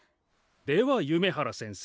では夢原先生。